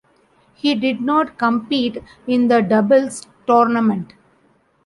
He did not compete in the doubles tournament.